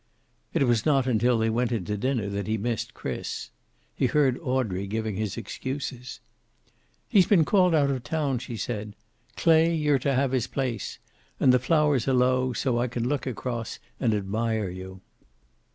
It was not until they went in to dinner that he missed Chris. He heard Audrey giving his excuses. "He's been called out of town," she said. "Clay, you're to have his place. And the flowers are low, so I can look across and admire you."